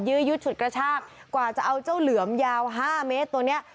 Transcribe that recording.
ยึดฉุดกระชากกว่าจะเอาเจ้าเหลือมยาว๕เมตรตัวเนี้ย